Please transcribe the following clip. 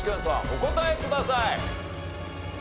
お答えください。